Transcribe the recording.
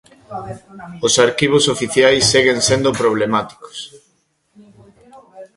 Os arquivos oficiais seguen sendo problemáticos.